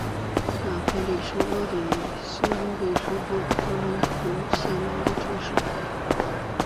马克特圣马丁是奥地利布尔根兰州上普伦多夫县的一个市镇。